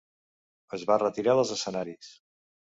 Es va retirar dels escenaris.